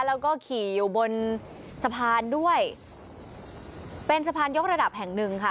แล้วก็ขี่อยู่บนสะพานด้วยเป็นสะพานยกระดับแห่งหนึ่งค่ะ